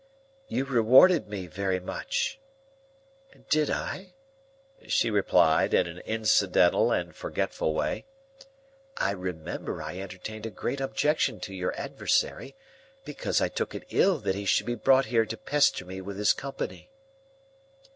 "You rewarded me very much." "Did I?" she replied, in an incidental and forgetful way. "I remember I entertained a great objection to your adversary, because I took it ill that he should be brought here to pester me with his company."